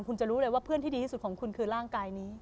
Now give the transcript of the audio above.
คุณจะรู้เลยว่าเพื่อนที่ดีที่สุดของคุณคือร่างกายนี้